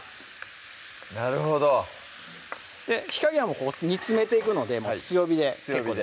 なるほど火加減は煮詰めていくので強火で結構です